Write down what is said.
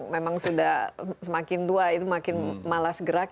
memang sudah semakin tua itu makin malas gerak